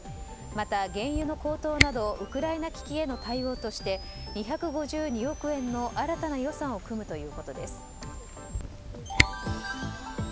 また原油の高騰などウクライナ危機への対応として２５２億円の新たな予算を組むということです。